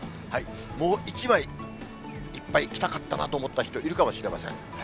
もう１枚、いっぱい着たかったなと思った人、いるかもしれません。